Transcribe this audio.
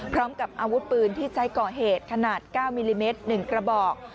พร้อมกับอาวุธปืนที่ใช้ก่อเหตุขนาด๙มิลลิเมตร๑กระบอก